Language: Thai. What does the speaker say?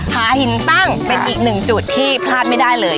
ผาหินตั้งเป็นอีกหนึ่งจุดที่พลาดไม่ได้เลย